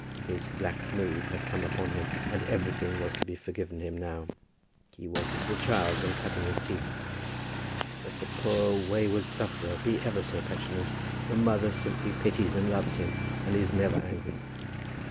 His black mood had come upon him, and everything was to be forgiven him now. He was as a child when cutting his teeth. Let the poor wayward sufferer be ever so petulant, the mother simply pities and loves him, and is never angry.